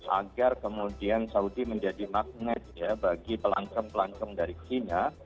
agar kemudian saudi menjadi magnet bagi pelancong pelancong dari china